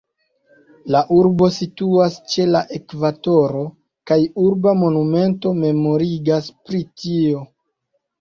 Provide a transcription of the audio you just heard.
La urbo situas ĉe la ekvatoro, kaj urba monumento memorigas pri tio.